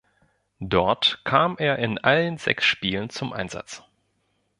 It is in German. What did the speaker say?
Dort kam er in allen sechs Spielen zum Einsatz.